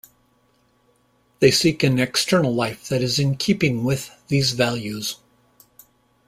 They seek an external life that is in keeping with these values.